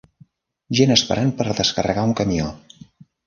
Gent esperant per descarregar un camió.